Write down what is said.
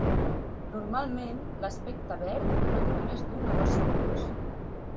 Normalment l'aspecte verd no dura més d'un o dos segons.